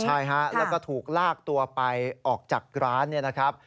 ใช่ฮะแล้วก็ถูกลากตัวไปออกจากร้าน